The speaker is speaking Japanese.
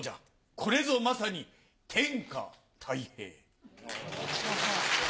これぞまさに天下タイ平。